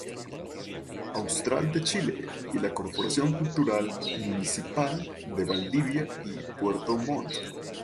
Austral de Chile y la Corporación Cultural Municipal de Valdivia y Puerto Montt.